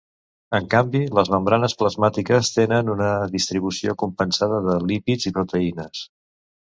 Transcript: En canvi, les membranes plasmàtiques tenen una distribució compensada de lípids i proteïnes.